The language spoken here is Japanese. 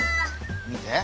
見て。